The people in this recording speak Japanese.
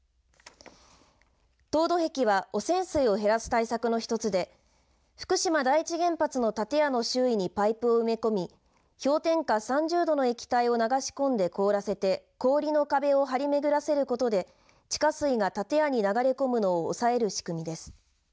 凍土壁は、汚染水を減らす対策の一つで福島第一原発の建屋の周囲にパイプを埋め込み氷点下３０度の液体を流し込んで凍らせて氷の壁を張り巡らせることで地下水が建屋に流れ込むのを抑える仕組みです。